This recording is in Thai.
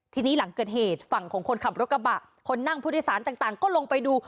ทีนี้หลังเกิดเหตุฝั่งของคนขับรถกระบะคนนั่งผู้โดยสารต่างก็ลงไปดู